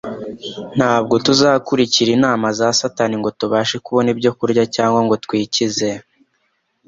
ntabwo tuzakurikira inama za Satani ngo tubashe kubona ibyo kurya cyangwa ngo twikize.